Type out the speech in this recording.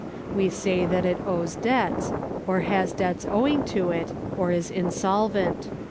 We say that it owes debts, or has debts owing to it, or is insolvent.